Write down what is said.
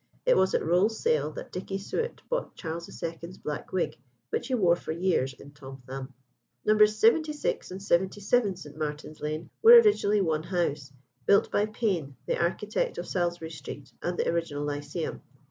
It was at Rawle's sale that Dickey Suett bought Charles II.'s black wig, which he wore for years in "Tom Thumb." Nos. 76 and 77 St. Martin's Lane were originally one house, built by Payne, the architect of Salisbury Street and the original Lyceum.